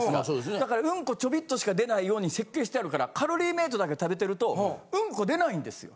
だからウンコちょびっとしか出ないように設計してあるからカロリーメイトだけ食べてるとウンコ出ないんですよ。